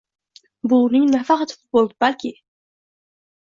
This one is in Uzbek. Bu uning nafaqat futbolni, balki